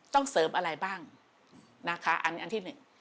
ต้องเสริมอะไรบ้างนะคะอันนี้อันที่หนึ่ง